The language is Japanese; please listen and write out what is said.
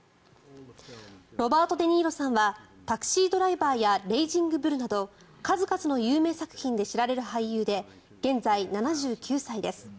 ロバート・デ・ニーロさんは「タクシードライバー」や「レイジングブル」など数々の有名作品で知られる俳優で現在７９歳です。